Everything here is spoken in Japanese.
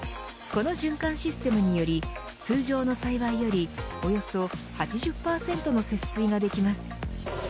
この循環システムにより通常の栽培よりおよそ８０％の節水ができます。